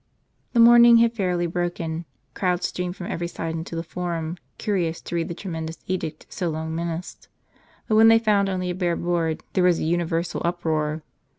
^"HEJSr morning had fairly broken, crowds streamed, from every side, into the Forum, curious to read the tremendous edict so long menaced. But when they found only a bare board, there was a universal uproar.